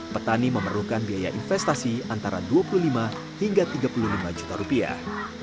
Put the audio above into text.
petani memerlukan biaya investasi antara dua puluh lima hingga tiga puluh lima juta rupiah